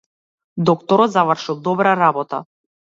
Докторот завршил добра работа.